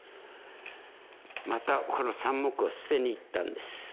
またこの３目を捨てにいったんです。